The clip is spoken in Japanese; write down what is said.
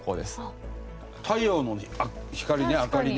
太陽の光ね明かりね。